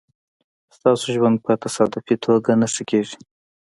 ستاسو ژوند په تصادفي توگه نه ښه کېږي